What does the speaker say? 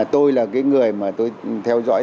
tôi là cái người mà tôi theo dõi